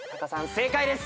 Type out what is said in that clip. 正解です。